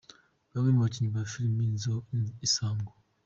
Bamwe mu bakinnyi ba filimu Isonga.